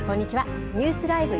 ニュースＬＩＶＥ！